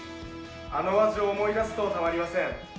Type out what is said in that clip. あの味を思い出すとたまりません。